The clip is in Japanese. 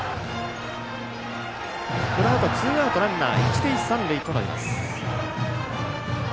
このあと、ツーアウトランナー、一塁、三塁となります。